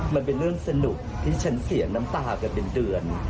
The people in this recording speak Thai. มันเป็นเรื่องสนุกที่ฉันเสียน้ำตากันเป็นเดือน